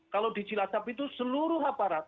kalau di cilacap itu seluruh aparat